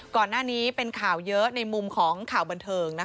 ก่อนหน้านี้เป็นข่าวเยอะในมุมของข่าวบันเทิง